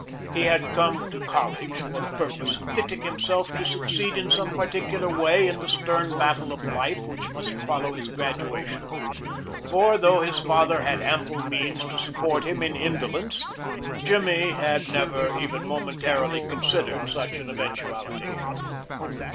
He had come to college for the purpose of fitting himself to succeed in some particular way in the stern battle of life which must follow his graduation; for, though his father had ample means to support him in indolence, Jimmy had never even momentarily considered such an eventuality.